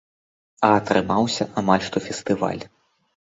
А атрымаўся амаль што фестываль.